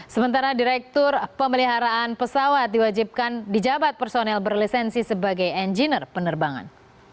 sementara direktur pemeliharaan pesawat diwajibkan dijabat personel berlisensi sebagai engineer penerbangan